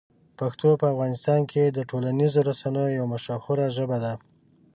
پښتو په افغانستان کې د ټولنیزو رسنیو یوه مشهوره ژبه ده.